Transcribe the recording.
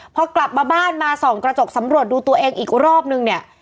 พอกลับมาบ้านมาส่องกระจกสำรวจดูตัวเองอีกรอบนึงเนี่ย